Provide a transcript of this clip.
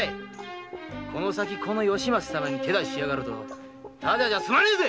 この先この吉松様に手出しするとただじゃ済まねえぜ！